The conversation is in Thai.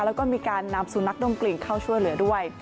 แล้วก็มีการนำสุนัขดมกลิ่นเข้าช่วยเหลือด้วย